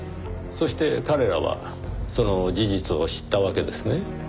そして彼らはその事実を知ったわけですね？